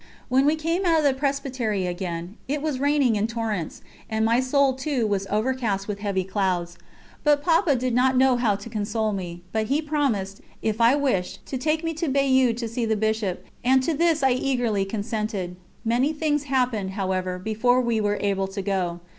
When we came out of the Presbytery again, it was raining in torrents, and my soul, too, was overcast with heavy clouds. Papa did not know how to console me, but he promised, if I wished, to take me to Bayeux to see the Bishop, and to this I eagerly consented. Many things happened, however, before we were able to go.